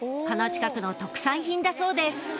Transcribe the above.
この近くの特産品だそうです